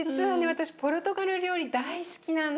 私ポルトガル料理大好きなの。